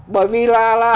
bởi vì là